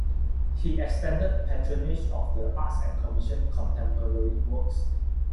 He expanded patronage of the arts and commissioned contemporary works.